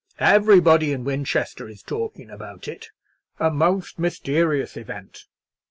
Everybody in Winchester is talking about it; a most mysterious event!